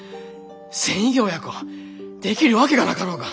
繊維業やこできるわけがなかろうが。